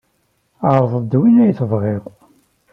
Ɛṛeḍ-d win ay tebɣid.